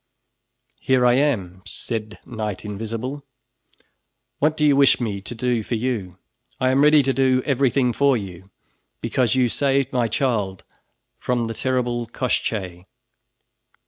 "Here I am," said Knight Invisible, "what do you wish me to do for you? I am ready to do everything for you, because you saved my child from the terrible Koshchey."